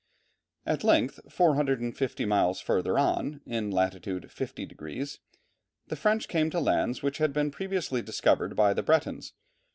At length, 450 miles further on, in latitude 50 degrees, the French came to lands which had been previously discovered by the Bretons.